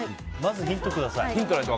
ヒントください。